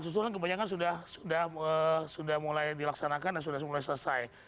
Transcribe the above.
susulan kebanyakan sudah mulai dilaksanakan dan sudah mulai selesai